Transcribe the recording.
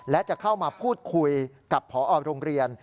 และจะเข้ามาพูดคุยกับพอโรงเรียน